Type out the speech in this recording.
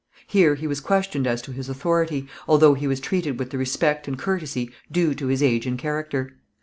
Here he was questioned as to his authority, although he was treated with the respect and courtesy due to his age and character.